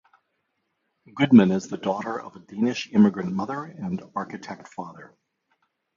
Goodman is the daughter of a Danish immigrant mother and architect father.